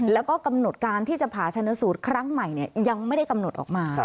แล้วก็กำหนดการที่จะผ่าชนสูตรครั้งใหม่ยังไม่ได้กำหนดออกมา